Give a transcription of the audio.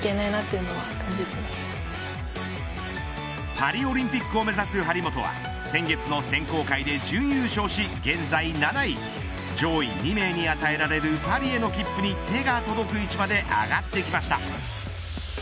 パリオリンピックを目指す張本は先月の選考会で準優勝し現在７位上位２名に与えられるパリへの切符に手が届く位置まで上がってきました。